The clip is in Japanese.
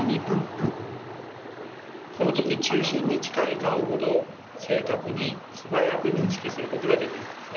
この時中心に近い顔ほど正確に素早く認識することができるんですね。